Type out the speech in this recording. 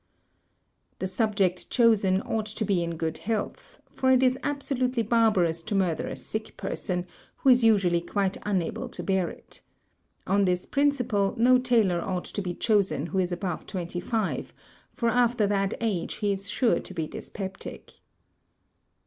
"The subject chosen ought to be in good health: for it is absolutely barbarous to murder a sick person, who is usually quite unable to bear it. On this principle, no tailor ought to be chosen who is above twenty five, for after that age he is sure to be dyspeptic.